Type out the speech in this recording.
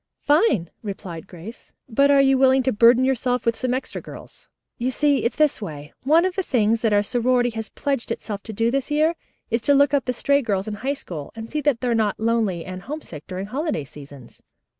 "Fine," replied Grace. "But are you willing to burden yourselves with some extra girls? You see it's this way. One of the things that our sorority has pledged itself to do this year is to look up the stray girls in High School, and see that they are not lonely and homesick during holiday seasons.